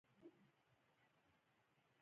سړي وویل چې هغه زوړ دی او حق لري.